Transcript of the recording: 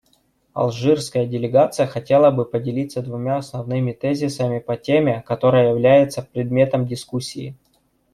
Алжирская делегация хотела бы поделиться двумя основными тезисами по теме, которая является предметом дискуссии.